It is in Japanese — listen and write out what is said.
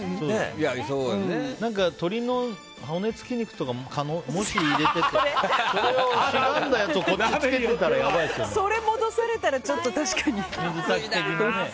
鶏の骨付き肉とかもし、入れててかんだやつを入れてたらそれ、戻されたらちょっと確かに。